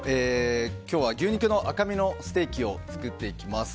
今日は牛肉の赤身のステーキを作っていきます。